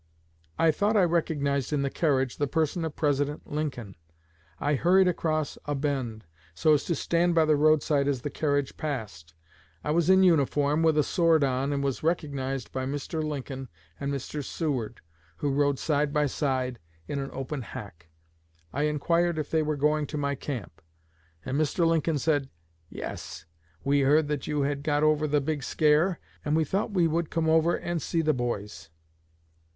I thought I recognized in the carriage the person of President Lincoln. I hurried across a bend, so as to stand by the roadside as the carriage passed. I was in uniform, with a sword on, and was recognized by Mr. Lincoln and Mr. Seward, who rode side by side in an open hack. I inquired if they were going to my camp, and Mr. Lincoln said: 'Yes; we heard that you had got over the big scare, and we thought we would come over and see the boys.'